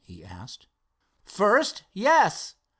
he asked. "First, yes.